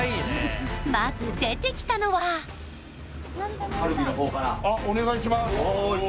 まず出てきたのはあっお願いします